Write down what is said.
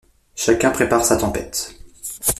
Chacun prépare sa tempête.